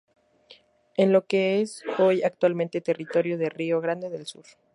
En lo que es hoy actualmente territorio de Río Grande del Sur.